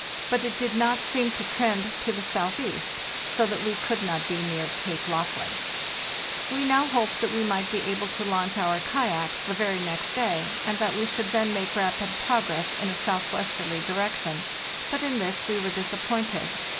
But it did not seem to trend to the south east, so that we could not be near Cape Lofley. We now hoped that we might be able to launch our kayaks the very next day, and that we should then make rapid progress in a southwesterly direction; but in this we were disappointed.